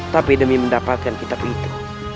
tapi demi mendapatkan kitab itu